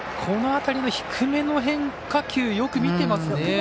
この辺りの低めの変化球よく見てますね。